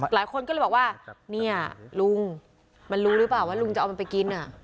หลายคนก็เลยบอกว่าเนี่ยลุงมันรู้หรือเปล่าว่าลุงจะเอามันไปกิน